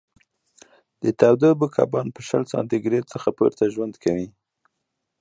د تودو اوبو کبان په شل سانتي ګرېد څخه پورته ژوند کوي.